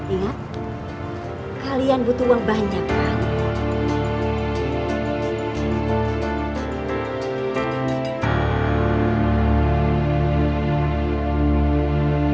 ingat kalian butuh uang banyak orang